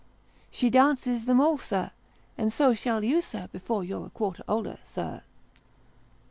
She dances them all, sir; and so shall you, sir, before you're a quarter older, sir."